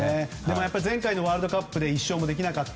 前回のワールドカップで１勝もできなかった。